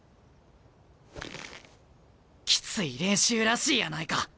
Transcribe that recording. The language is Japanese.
きつい練習らしいやないか。